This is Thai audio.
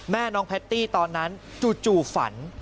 แม่น้องแพตตี้ตอนนั้นจู่ฝัน